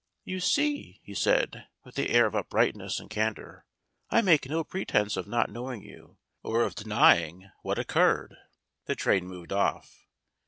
"You see," he said, with the air of uprightness and candor, "I make no pretense of not knowing you, or of denying what occurred." The train moved off.